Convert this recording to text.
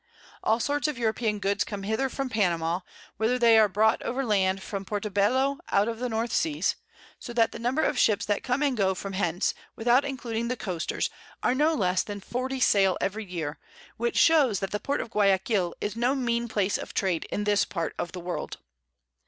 All sorts of European Goods come hither from Panama, whither they are brought over Land from Portobello out of the North Seas; so that the Number of Ships that come and go from hence, without including the Coasters, are no less than 40 Sail every Year, which shows that the Port of Guiaquil is no mean Place of Trade in this Part of the World.